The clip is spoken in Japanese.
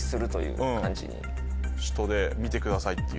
首都で見てくださいっていう。